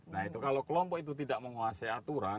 nah itu kalau kelompok itu tidak menguasai aturan